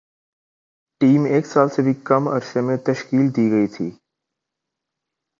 team ایک سال سے بھی کم عرصے میں تشکیل دی گئی تھی